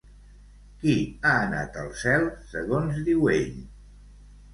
Qui ha anat al cel, segons diu ell?